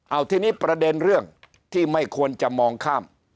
เอาทีนี้ประเด็นเรื่องที่ไม่ควรจะมองข้าม